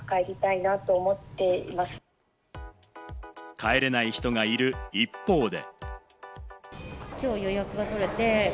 帰れない人がいる一方で。